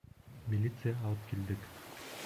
Милиция алып килдек!